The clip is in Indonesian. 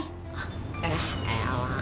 hah eh elang